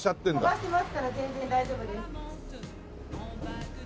飛ばしてますから全然大丈夫です。